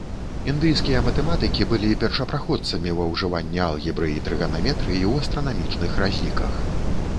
Індыйскія матэматыкі былі першапраходцамі ва ўжыванні алгебры і трыганаметрыі ў астранамічных разліках.